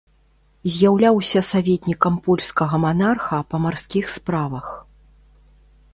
З'яўляўся саветнікам польскага манарха па марскіх справах.